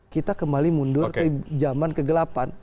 kita kembali mundur ke zaman kegelapan